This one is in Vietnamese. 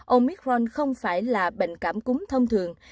omicron không phải là bệnh cảm cúng thông thường